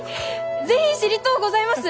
是非知りとうございます！